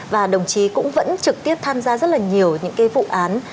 và đồng chí cũng vẫn trực tiếp tham gia rất là nhiều những cái vụ án